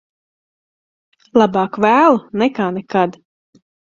Labāk vēlu nekā nekad.